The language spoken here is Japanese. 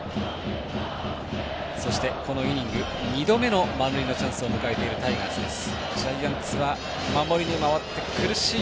そして、このイニング２度目の満塁のチャンスタイガースです。